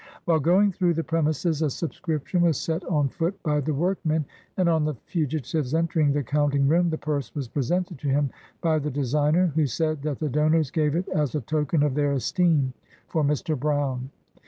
While going through the premises, a subscription was set on foot by the workmen, and on the fugitive's entering the counting room, the purse was presented to him by the designer, who said that the donors gave it as a token of their esteem for Mr. Brown.